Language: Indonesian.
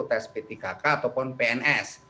tes p tiga k ataupun pns